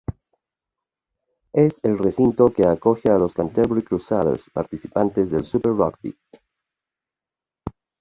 Es el recinto que acoge a los Canterbury Crusaders, participantes del Super Rugby.